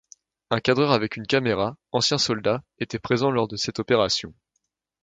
Un cadreur avec une caméra, ancien soldat, était présent lors de cette opération.